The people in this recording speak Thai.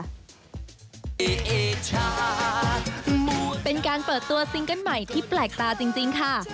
เอชาเป็นการเปิดตัวซิงเกิ้ลใหม่ที่แปลกตาจริงค่ะ